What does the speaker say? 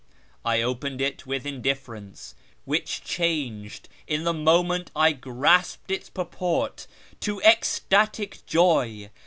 I opened it with indifference, which changed, in the moment I grasped its purport, to ecstatic joy.